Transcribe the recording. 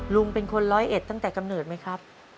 ลุงเป็นคนร้อยเอ็ดตั้งแต่กำเนิดไหมครับ